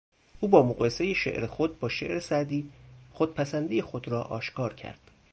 او با مقایسهی شعر خود با شعر سعدی خودپسندی خود را آشکار کرد.